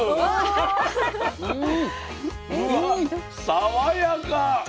爽やか。